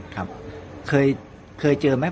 ตาว